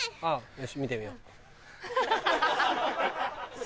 よし見てみよう。